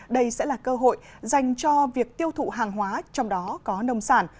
đây sẽ là cơ hội dành cho việc tiêu thụ hàng hóa trong đó có nông sản